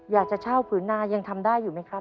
อยากจะเช่าผืนนายังทำได้อยู่ไหมครับ